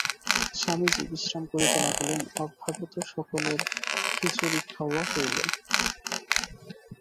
স্বামীজি বিশ্রাম করিতে লাগিলেন, অভ্যাগত সকলের খিচুড়ি খাওয়া হইল।